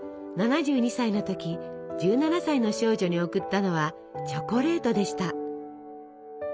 ７２歳の時１７歳の少女に贈ったのはチョコレートでした。